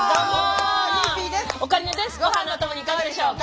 ごはんのお供にいかがでしょうか？